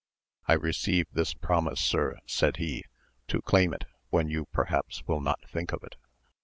I receive this promise sir, said he, to claim it when you perhaps will not think of it.